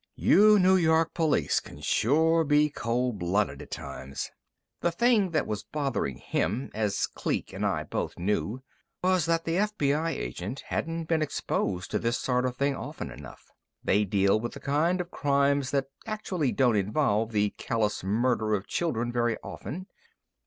"You New York police can sure be cold blooded at times." The thing that was bothering him, as Kleek and I both knew, was that the FBI agent hadn't been exposed to this sort of thing often enough. They deal with the kind of crimes that actually don't involve the callous murder of children very often.